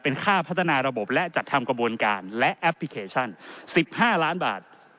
เป็นค่าพัฒนาระบบและจัดทำกระบวนการและแอปพลิเคชัน๑๕ล้านบาท